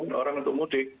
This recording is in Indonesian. sebaran orang untuk mudik